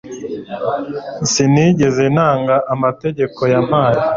sinigeze nanga amategeko yampaye